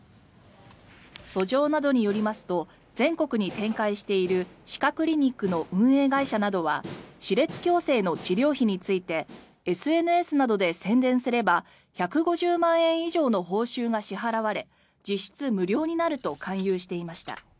訴状などによりますと全国に展開している歯科クリニックの運営会社などは歯列矯正の治療費についてＳＮＳなどで宣伝すれば１５０万円以上の報酬が支払われ実質無料になると勧誘していました。